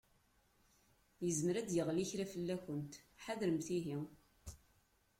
Yezmer ad d-yeɣli kra fell-akent, ḥadremt ihi.